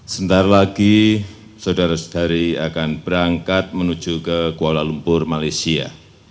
sebentar lagi saudara saudari akan berangkat menuju ke kuala lumpur malaysia